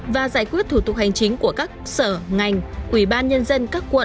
và giải quyết thủ tục hành chính của các sở ngành ủy ban nhân dân các quận